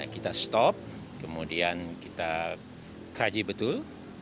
kita stop kemudian kita kaji betul